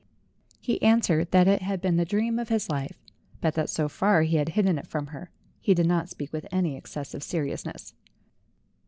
He answered that it had been the dream of his life, but that so far he had hidden it from her; he did not speak with any exces sive seriousness.